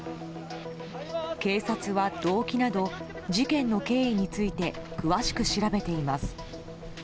警察は動機など事件の経緯について詳しく調べています。